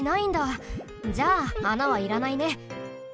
じゃあ穴はいらないね。